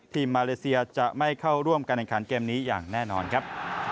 มาเลเซียจะไม่เข้าร่วมการแข่งขันเกมนี้อย่างแน่นอนครับ